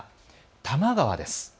多摩川です。